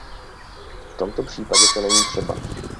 V tomto případě to není třeba.